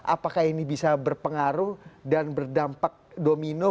apakah ini bisa berpengaruh dan berdampak domino